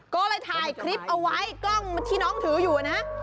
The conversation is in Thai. ก็เลยถ่ายคลิปเอาไว้กล้องที่น้องถืออยู่นะ